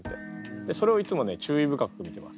でそれをいつもね注意深く見てます。